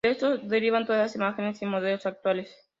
De estos derivan todas imágenes y modelos actuales.